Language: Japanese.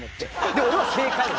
で俺は正解を。